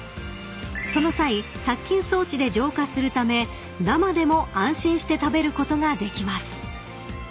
［その際殺菌装置で浄化するため生でも安心して食べることができます］